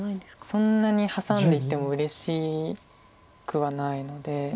そんなにハサんでいってもうれしくはないので。